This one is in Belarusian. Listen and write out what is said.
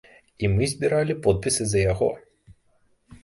І мы збіралі подпісы за яго.